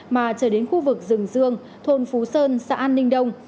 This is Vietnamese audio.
mà chở đến khu vực rừng rương thôn phú sơn xã an ninh đông